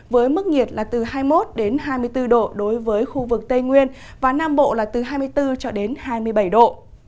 với mức nhiệt là từ hai mươi một hai mươi bốn độ đối với khu vực tây nguyên và nam bộ là từ hai mươi bốn cho đến hai mươi bảy độ